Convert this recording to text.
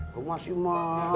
ke masi maik